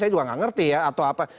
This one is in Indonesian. saya juga nggak ngerti ya atau apa